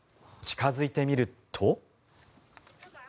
近付いてみると。